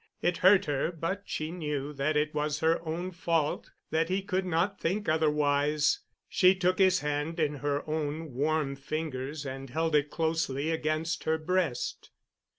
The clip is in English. It hurt her, but she knew that it was her own fault that he could not think otherwise. She took his hand in her own warm fingers, and held it closely against her breast.